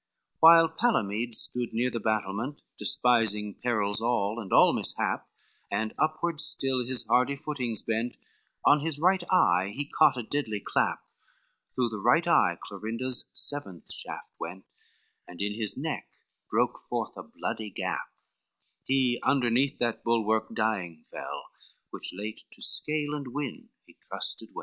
XLV While Palamede stood near the battlement, Despising perils all, and all mishap, And upward still his hardy footings bent, On his right eye he caught a deadly clap, Through his right eye Clorinda's seventh shaft went, And in his neck broke forth a bloody gap; He underneath that bulwark dying fell, Which late to scale and win he trusted well.